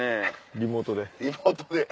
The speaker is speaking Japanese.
リモートで。